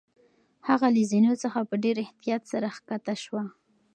هغه له زینو څخه په ډېر احتیاط سره کښته شوه.